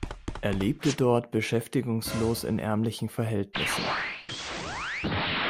Er lebte dort beschäftigungslos in ärmlichen Verhältnissen.